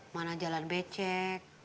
mana jalan becek